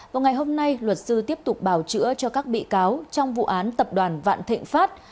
vào ngày hôm nay luật sư tiếp tục bảo chữa cho các bị cáo trong vụ án tập đoàn vạn thịnh pháp